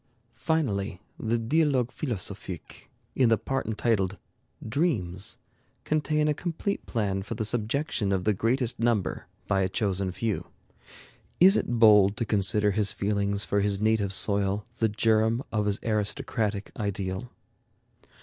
Finally, the 'Dialogues philosophiques,' in the part entitled 'Dreams,' contain a complete plan for the subjection of the greatest number by a chosen few.... Is it bold to consider his feeling for his native soil the germ of his aristocratic ideal?